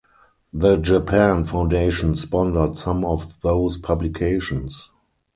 The Japan Foundation sponsored some of those publications.